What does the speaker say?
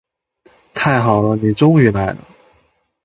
太好了，你终于来了。